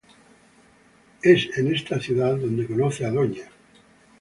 Es en esta ciudad dónde conoce a Dña.